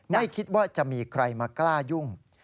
ไม่คิดว่าจะมีใครมากล้ายุ่ง